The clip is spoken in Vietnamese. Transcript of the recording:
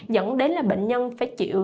dẫn đến là bệnh nhân phải chịu